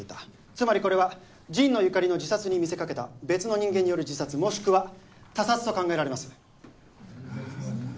つまりこれは神野由香里の自殺に見せかけた別の人間による自殺もしくは他殺と考えられます。